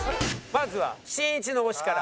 まずはしんいちの推しから。